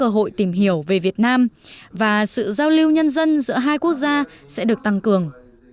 hiểu về việt nam và sự giao lưu nhân dân giữa hai quốc gia sẽ được tăng cường